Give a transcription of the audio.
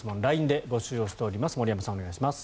ＬＩＮＥで募集しています。